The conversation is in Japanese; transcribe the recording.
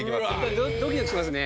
ドキドキしますね